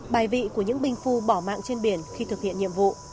bài vị của những binh phu bỏ mạng trên biển khi thực hiện nhiệm vụ